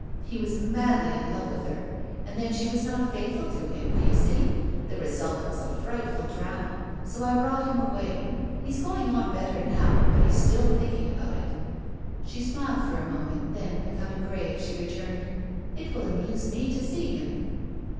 He was madly in love with her. And then she was not faithful to him, do you see? The result was a frightful drama. So I brought him away. He's going on better now, but he's still thinking about it." She smiled for a moment, then, becoming grave, she returned: "It will amuse me to see him."